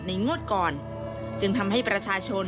งวดก่อนจึงทำให้ประชาชน